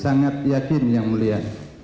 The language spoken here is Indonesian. sangat yakin yang mulia